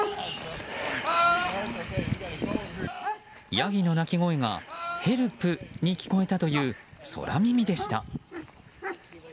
ヤギの鳴き声がヘルプに聞こえたという空耳でした。